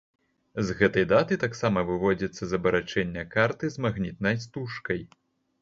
З гэтай даты таксама выводзяцца з абарачэння карты з магнітнай стужкай.